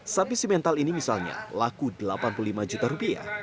sapi simental ini misalnya laku rp delapan puluh lima juta rupiah